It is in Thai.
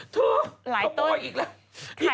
แล้วเค้าโป้ยอีกแล้วนี่ที่ที่หายต้น